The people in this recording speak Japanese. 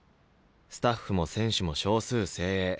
スタッフも選手も少数精鋭。